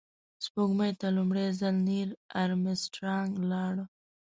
سپوږمۍ ته لومړی ځل نیل آرمسټرانګ لاړ